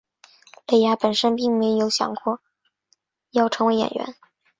蕾雅本身并没有想过要成为演员。